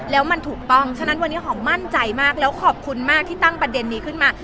แล้วมันถูกต้องฉะนั้นวันนี้หอมมั่นใจมากแล้วขอบคุณมากที่ตั้งประเด็นนี้ขึ้นมา